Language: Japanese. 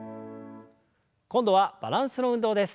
今度はバランスの運動です。